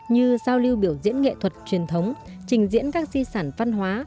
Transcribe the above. như giao lưu biểu diễn nghệ thuật truyền thống trình diễn các di sản văn hóa